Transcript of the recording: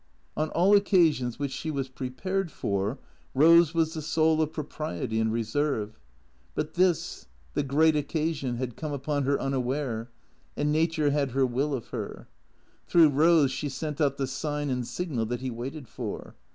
On all occasions which she was prepared for, Eose was the soul of propriety and reserve. But this, the great occasion, had come upon her unaware, and Nature had her will of her. Through Eose she sent out the sign and signal that he waited for.